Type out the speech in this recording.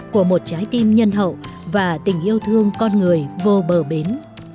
của một trái tim nhân hậu và tình yêu thương con người vô bờ bến